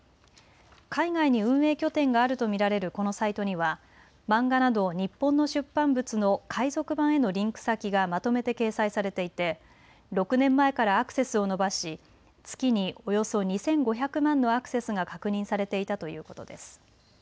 海外に運営拠点があると見られるこのサイトには漫画など日本の出版物の海賊版へのリンク先がまとめて掲載されていて６年前からアクセスを伸ばし月におよそ２５００万のアクセスが確認されていたということです。